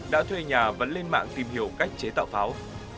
đã thuê nhà vấn lên mạng tìm hiểu cách chế tạo pháo